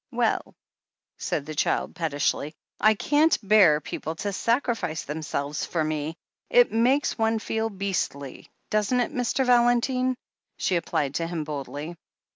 "Well," said the child pettishly, "I can't bear people to sacrifice themselves for me. It makes one feel beastly. Doesn't it, Mr. Valentine?" she applied to him boldly.